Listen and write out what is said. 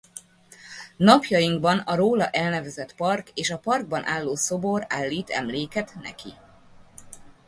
Napjainkban a róla elnevezett park és a parkban álló szobor állít emléket neki.